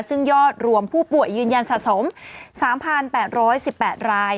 ซึ่งยอดรวมผู้ป่วยยืนยันสะสม๓๘๑๘ราย